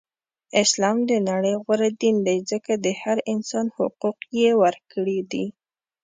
اسلام د نړی غوره دین دی ځکه د هر انسان حقوق یی ورکړی دی.